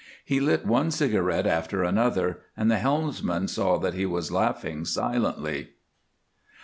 He lit one cigarette after another, and the helmsman saw that he was laughing silently.